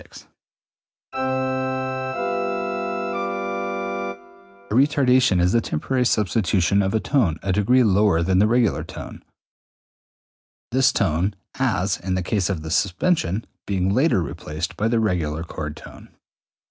A retardation is the temporary substitution of a tone a degree lower than the regular tone, this tone (as in the case of the suspension) being later replaced by the regular chord tone.